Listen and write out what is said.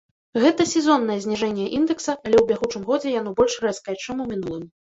Гэта сезоннае зніжэнне індэкса, але ў бягучым годзе яно больш рэзкае, чым у мінулым.